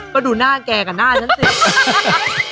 ก็ดูหน้าแกกับหน้าฉันสิ